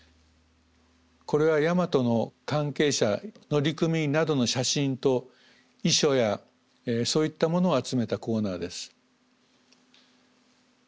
これは大和の関係者乗組員などの写真と遺書やそういったものを集めたコーナーです。